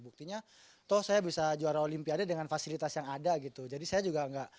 buktinya toh saya bisa juara olimpiade dengan fasilitas yang ada gitu jadi saya juga nggak mengeluh gitu loh